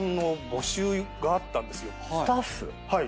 はい。